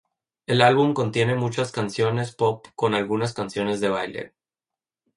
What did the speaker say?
El álbum contiene muchas canciones pop con algunas canciones de baile.